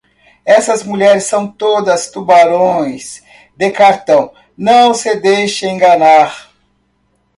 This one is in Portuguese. Essas mulheres são todas tubarões de cartão, não se deixe enganar.